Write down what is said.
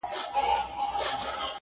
دا سودا مي ومنه که ښه کوې-